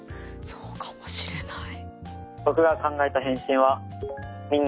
そうかもしれない。